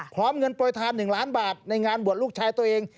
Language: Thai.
พร้อมเงินโปรยทาน๑ล้านบาทในงานบวชลูกชายตัวเอง